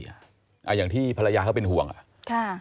อย่างที่ภรรยาเขาเป็นห่วงอ่ะค่ะ